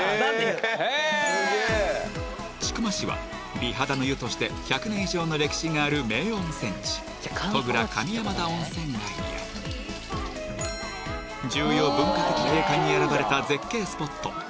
千曲市は美肌の湯として１００年以上の歴史がある名温泉地や重要文化的景観に選ばれた絶景スポット